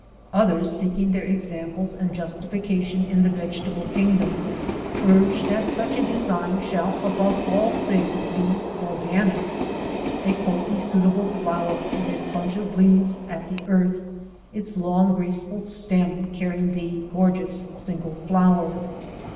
Others, seeking their examples and justification in the vegetable kingdom, urge that such a design shall above all things be organic. They quote the suitable flower with its bunch of leaves at the earth, its long graceful stem, carrying the gorgeous single flower.